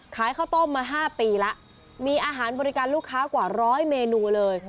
ข้าวต้มมา๕ปีแล้วมีอาหารบริการลูกค้ากว่าร้อยเมนูเลย